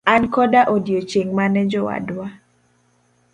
An koda odiochieng' mane jowadwa.